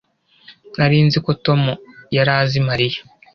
nari nzi ko tom yari azi mariya